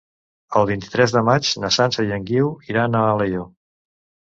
El vint-i-tres de maig na Sança i en Guiu iran a Alaior.